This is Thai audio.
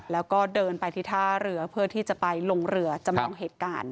แล้วก็เดินไปที่ท่าเรือเพื่อที่จะไปลงเรือจำลองเหตุการณ์